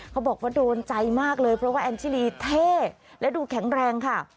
เขาบอกว่าโดนใจมากเลยเพราะว่าแอนชิลีเท่และดูแข็งแรงค่ะ